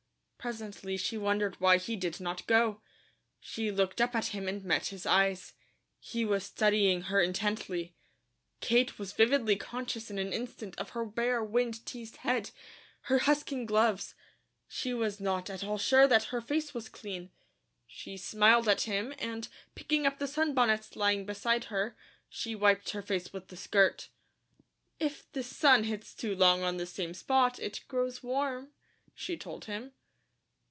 Presently she wondered why he did not go. She looked up at him and met his eyes. He was studying her intently. Kate was vividly conscious in an instant of her bare wind teased head, her husking gloves; she was not at all sure that her face was clean. She smiled at him, and picking up the sunbonnet lying beside her, she wiped her face with the skirt. "If this sun hits too long on the same spot, it grows warm," she told him.